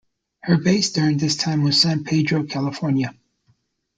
Her base during this time was San Pedro, California.